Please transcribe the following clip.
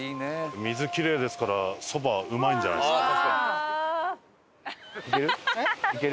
水キレイですから蕎麦うまいんじゃないですか？